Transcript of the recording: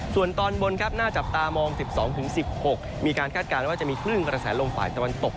ส่วนตอนบนครับน่าจับตามอง๑๒๑๖มีการคาดการณ์ว่าจะมีคลื่นกระแสลมฝ่ายตะวันตก